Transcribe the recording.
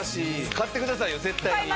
買ってくださいよ絶対に。